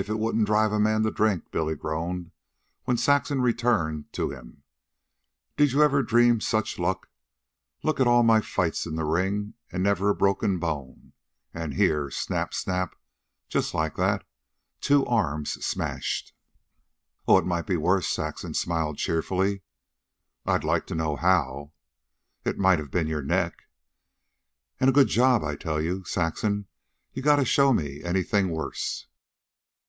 "If it wouldn't drive a man to drink," Billy groaned, when Saxon returned to him. "Did you ever dream such luck? Look at all my fights in the ring, an' never a broken bone, an' here, snap, snap, just like that, two arms smashed." "Oh, it might be worse," Saxon smiled cheerfully. "I'd like to know how. "It might have been your neck." "An' a good job. I tell you, Saxon, you gotta show me anything worse."